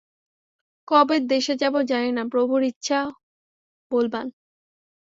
কবে দেশে যাব জানি না, প্রভুর ইচ্ছা বলবান্।